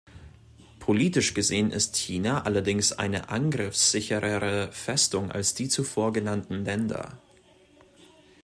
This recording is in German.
Politisch gesehen ist China allerdings eine angriffssicherere Festung als die zuvor genannten Länder.